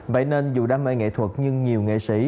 vậy nên dù đam mê nghệ thuật nhưng nhiều nghệ sĩ